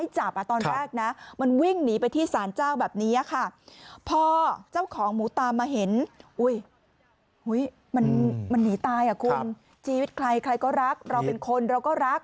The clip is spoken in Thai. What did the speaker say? ชีวิตใครใครก็รักเราเป็นคนเราก็รัก